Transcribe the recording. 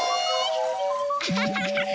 アハハハハ！